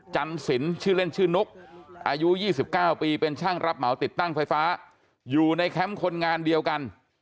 จันสินชื่อเล่นชื่อนุ๊กอายุ๒๙ปีเป็นช่างรับเหมาติดตั้งไฟฟ้าอยู่ในแคมป์คนงานเดียวกัน